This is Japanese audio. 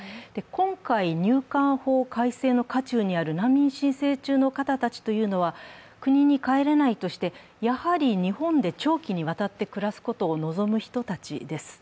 今回、入管法改正の渦中にある難民申請中の方たちというのは、国に帰れないとしてやはり日本で長期にわたって暮らすことを望む人たちです。